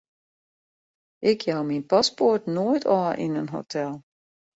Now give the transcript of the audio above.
Ik jou myn paspoart noait ôf yn in hotel.